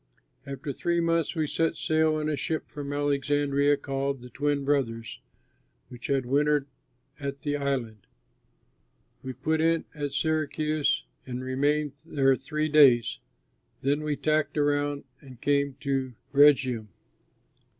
After three months we set sail on a ship from Alexandria called "The Twin Brothers," which had wintered at the island. We put in at Syracuse, and remained there three days. Then we tacked around and came to Rhegium.